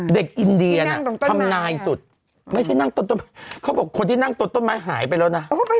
อินเดียน่ะทำนายสุดไม่ใช่นั่งต้นไม้เขาบอกคนที่นั่งต้นต้นไม้หายไปแล้วนะ